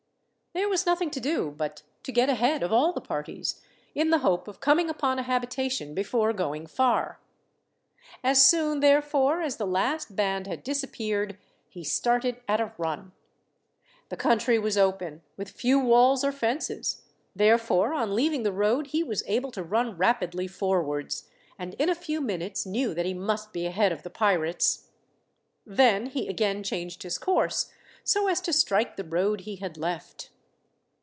There was nothing to do but to get ahead of all the parties, in the hope of coming upon a habitation before going far. As soon, therefore, as the last band had disappeared, he started at a run. The country was open, with few walls or fences; therefore on leaving the road he was able to run rapidly forwards, and in a few minutes knew that he must be ahead of the pirates. Then he again changed his course so as to strike the road he had left.